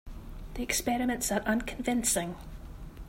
The experiments are unconvincing.